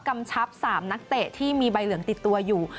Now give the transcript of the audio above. กำชับ๓นักเตะที่มีใบเหลืองติดตัวอยู่